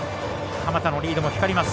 鎌田のリードも光ります。